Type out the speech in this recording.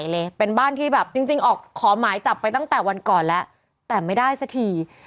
เมื่อบางทำงานนี้